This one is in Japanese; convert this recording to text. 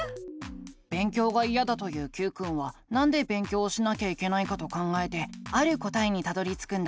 勉強がいやだと言うＱくんはなんで勉強をしなきゃいけないかと考えてある答えにたどりつくんだ。